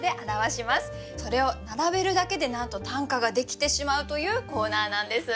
それを並べるだけでなんと短歌ができてしまうというコーナーなんです。